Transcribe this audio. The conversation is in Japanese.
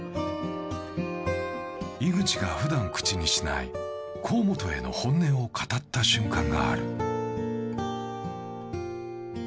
井口がふだん口にしない河本への本音を語った瞬間がある。